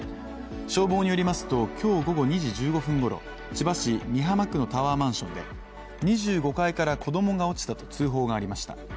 消防によりますと今日午後２時１５分ごろ千葉市美浜区のタワーマンションで２５階から子供が落ちたと通報がありました。